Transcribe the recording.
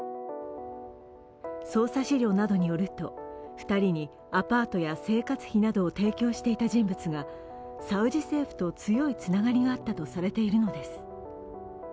捜査資料などによると、２人にアパートや生活費などを提供していた人物が、サウジ政府と強いつながりがあったとされているのです。